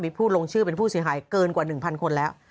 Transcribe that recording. มีผู้ลงชื่อเป็นผู้เสียหายเกินกว่า๑๐๐คนแล้ว